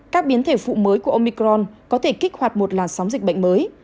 các biến thể phụ mới của omicron có thể kích hoạt một làn sóng dịch bệnh mới